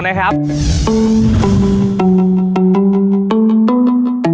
นื่นส่ง